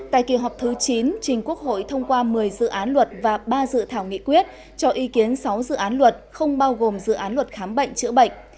tại kỳ họp thứ chín trình quốc hội thông qua một mươi dự án luật và ba dự thảo nghị quyết cho ý kiến sáu dự án luật không bao gồm dự án luật khám bệnh chữa bệnh